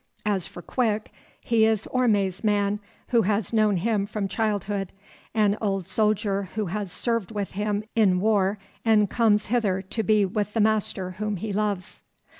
As for Quick, he is Orme's man, who has known him from childhood, an old soldier who has served with him in war and comes hither to be with the master whom he loves."